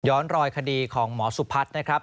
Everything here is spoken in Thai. รอยคดีของหมอสุพัฒน์นะครับ